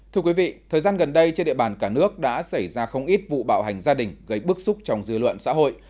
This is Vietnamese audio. thưa quý vị thời gian gần đây trên địa bàn cả nước đã xảy ra không ít vụ bạo hành gia đình gây bức xúc trong dư luận xã hội